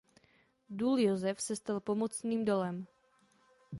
Důl Josef se stal pomocným dolem.